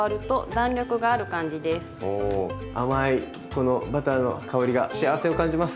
甘いこのバターの香りが幸せを感じます。